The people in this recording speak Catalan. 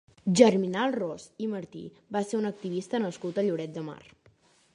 Germinal Ros i Martí va ser un activista nascut a Lloret de Mar.